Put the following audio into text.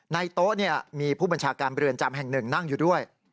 โต๊ะมีผู้บัญชาการเรือนจำแห่งหนึ่งนั่งอยู่ด้วย